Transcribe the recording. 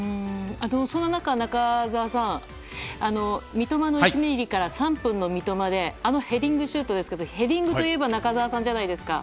そんな中、中澤さん三笘の１ｍｍから３分の三笘であのヘディングシュートですがヘディングといえば中澤さんじゃないですか。